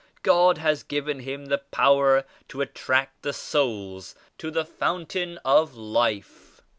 God has given him the power to attract souls to the Fountain of Life.